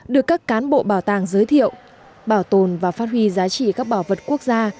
được các cán bộ bảo tàng giới thiệu bảo tồn và phát huy giá trị các bảo vật quốc gia